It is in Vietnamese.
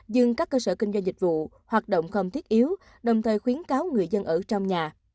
dừng các cơ sở kinh doanh dịch vụ hoạt động không thiết yếu đồng thời khuyến cáo người dân ở trong nhà